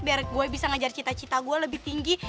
biar gue bisa ngajar cita cita gue lebih tinggi